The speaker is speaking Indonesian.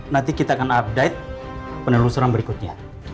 nanti kita akan update penelusuran berikutnya